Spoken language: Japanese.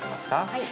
はい。